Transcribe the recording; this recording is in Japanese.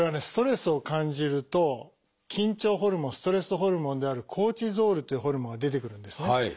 ストレスを感じると緊張ホルモンストレスホルモンであるコルチゾールというホルモンが出てくるんですね。